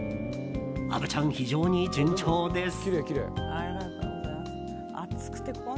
虻ちゃん、非常に順調です。